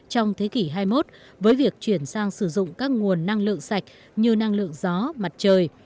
trong thế kỷ hai mươi một với việc chuyển sang sử dụng các nguồn năng lượng sạch như năng lượng gió mặt trời